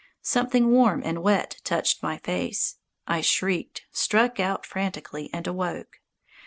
Something warm and wet touched my face. I shrieked, struck out frantically, and awoke.